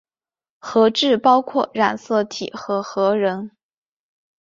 核质包括染色体和核仁。